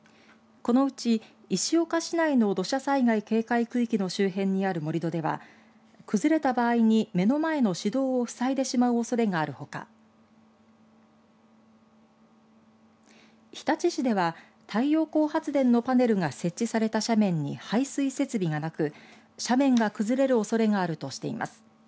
このうち石岡市内の土砂災害警戒区域の周辺にある盛り土では崩れた場合に目の前の市道をふさいでしまうおそれがあるほか日立市では太陽光発電のパネルが設置された斜面に排水設備がなく斜面が崩れるおそれがあるとしています。